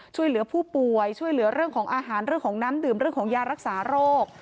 ช่วยเหลือผู้ป่วยช่วยเหลือเรื่องของอาหารเรื่องของน้ำดื่มเรื่องของยารักษาโรค